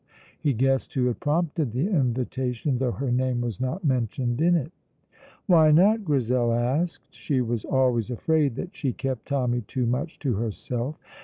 He guessed who had prompted the invitation, though her name was not mentioned in it. "Why not?" Grizel asked. She was always afraid that she kept Tommy too much to herself.